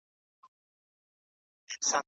که ته غواړې چې پوه شې نو له مانه وپوښته.